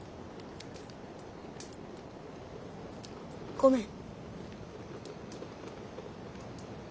ごめん。